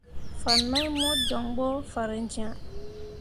Fan mai mo jon ɓo farenjẽa.